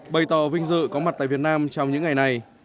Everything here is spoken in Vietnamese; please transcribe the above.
bày tỏ vinh dự có mặt tại việt nam trong những ngày này